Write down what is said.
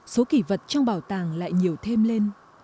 số kỳ vật trong bảo tàng lại nhiều thêm lên